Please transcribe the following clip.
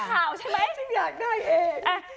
ฉันอยากได้เอง